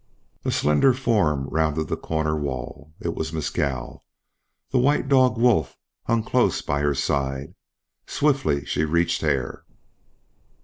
A slender form rounded the corner wall. It was Mescal. The white dog Wolf hung close by her side. Swiftly she reached Hare.